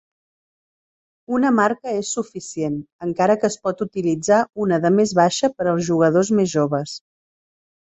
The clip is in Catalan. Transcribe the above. Una marca és suficient, encara que es pot utilitzar una de més baixa per als jugadors més joves.